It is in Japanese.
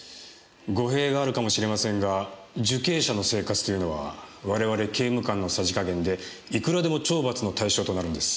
語弊があるかもしれませんが受刑者の生活というのは我々刑務官のさじ加減でいくらでも懲罰の対象となるんです。